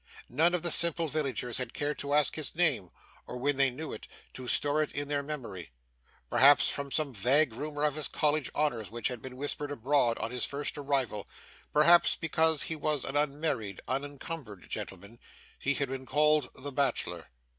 None of the simple villagers had cared to ask his name, or, when they knew it, to store it in their memory. Perhaps from some vague rumour of his college honours which had been whispered abroad on his first arrival, perhaps because he was an unmarried, unencumbered gentleman, he had been called the bachelor.